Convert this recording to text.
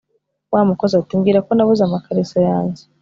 wa mukozi ati mbwira ko nabuze amakariso yanjye